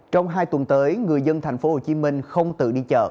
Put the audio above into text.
trong hai tuần tới người dân thành phố hồ chí minh không tự đi chợ